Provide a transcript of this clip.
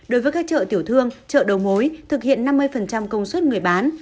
đối với các chợ tiểu thương chợ đầu mối thực hiện năm mươi công suất người bán